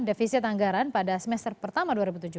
defisit anggaran pada semester pertama